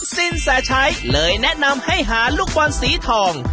สินแสชัยเลยแนะนำให้หาลูกบอลสีทอง